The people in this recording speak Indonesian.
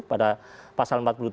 pada pasal empat puluh tujuh